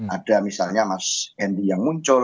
ada misalnya mas hendy yang muncul